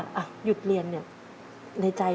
อยู่หยุดเรียนนี้ในใจ